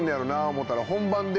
思うたら。